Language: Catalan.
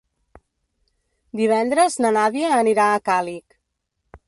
Divendres na Nàdia anirà a Càlig.